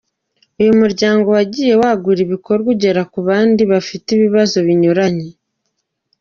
Uyu muryango wagiye wagura ibikorwa ugera no ku bandi bafite ibibazo binyuranye.